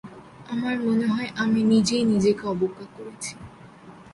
আমার মনে হয় আমি নিজেই নিজেকে অবজ্ঞা করেছি।